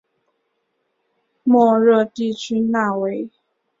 莫热地区讷维。